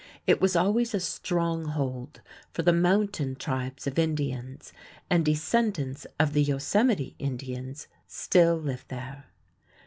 It was always a stronghold for the mountain tribes of Indians, and descendants of the Yosemite Indians still live there.